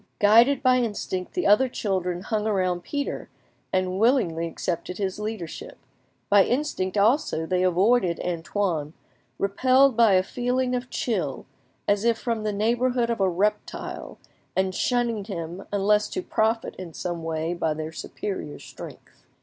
Guided by instinct, the other children hung about Pierre and willingly accepted his leadership; by instinct also they avoided Antoine, repelled by a feeling of chill, as if from the neighbourhood of a reptile, and shunning him unless to profit in some way by their superior strength.